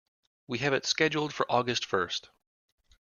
We have it scheduled for August first.